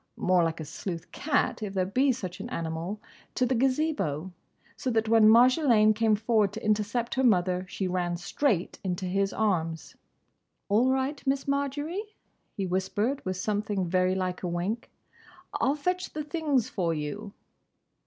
—more like a sleuth cat, if there be such an animal—to the Gazebo. So that when Marjolaine came forward to intercept her mother, she ran straight into his arms. "All right, Miss Marjory," he whispered, with something very like a wink, "I'll fetch the things for you."